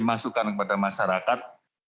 masukan kepada masyarakat